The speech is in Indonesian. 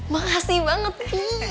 makasih banget bi